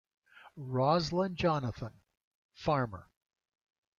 Roslin Jonathan, farmer.